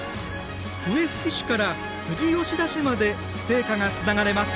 笛吹市から富士吉田市まで聖火がつながれます。